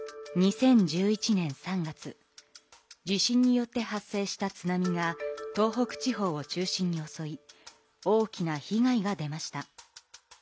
地震によって発生した津波が東北地方を中心におそい大きな被害が出ました。